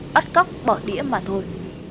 bắt cóc bỏ đĩa mà thôi